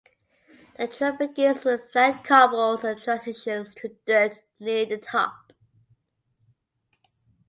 The trail begins with flat cobbles and transitions to dirt near the top.